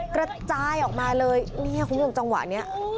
กระจายออกมาเลยเนี่ยคุณผู้ชมจังหวะนี้